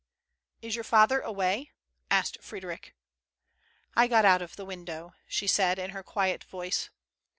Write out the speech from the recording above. " Is your father away ?" asked Frederic. ''I got out of the window," she said, in her quiet voice.